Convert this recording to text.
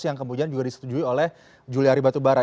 yang kemudian juga disetujui oleh juliari batubara